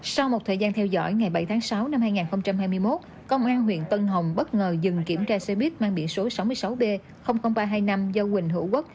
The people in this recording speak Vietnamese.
sau một thời gian theo dõi ngày bảy tháng sáu năm hai nghìn hai mươi một công an huyện tân hồng bất ngờ dừng kiểm tra xe buýt mang biển số sáu mươi sáu b ba trăm hai mươi năm do quỳnh hữu quốc